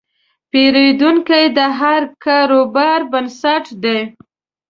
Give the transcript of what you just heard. پیرودونکی د هر کاروبار بنسټ دی.